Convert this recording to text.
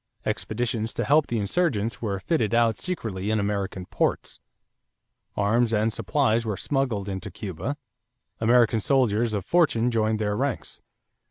Expeditions to help the insurgents were fitted out secretly in American ports. Arms and supplies were smuggled into Cuba. American soldiers of fortune joined their ranks.